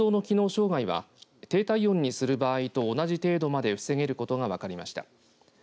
障害は低体温にする場合と同じ程度まで防げることが分かりました。